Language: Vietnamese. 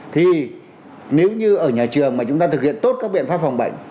thì nếu như ở nhà trường mà chúng ta thực hiện tốt các biện pháp phòng bệnh